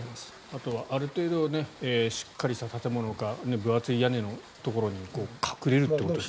あとはある程度、しっかりした建物か分厚い屋根のところに隠れるっていうことを。